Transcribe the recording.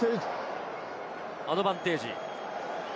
アドバンテージ。